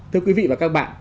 thưa quý vị và các bạn